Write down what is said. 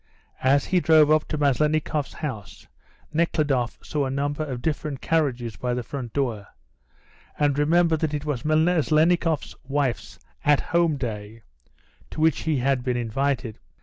As he drove up to Maslennikoff's house Nekhludoff saw a number of different carriages by the front door, and remembered that it was Maslennikoff's wife's "at home" day, to which he had been invited.